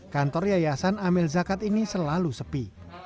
kantor yayasan amel zakat ini selalu sepi